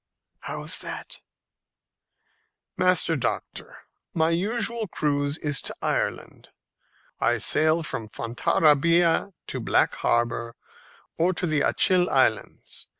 "How is that?" "Master Doctor, my usual cruise is to Ireland. I sail from Fontarabia to Black Harbour or to the Achill Islands.